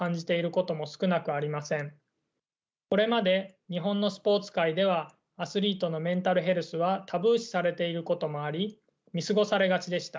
これまで日本のスポーツ界ではアスリートのメンタルヘルスはタブー視されていることもあり見過ごされがちでした。